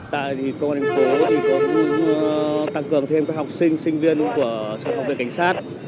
tại thì công an thành phố cũng tăng cường thêm các học sinh sinh viên của học viện cảnh sát